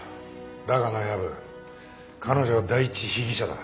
だがな藪彼女は第一被疑者だ。